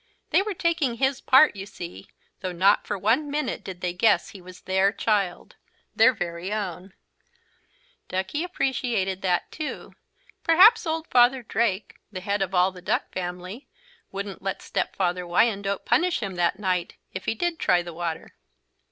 They were taking his part, you see, though not for one minute did they guess he was their child, their very own. Duckie appreciated that too. Perhaps Old Father Drake, the head of all the Duck family, wouldn't let Step father Wyandotte punish him that night if he did try the water.